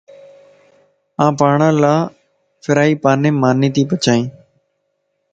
آن پاڻ لافرائي پانيم ماني تي پچائين